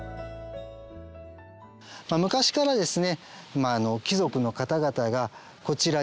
昔からですね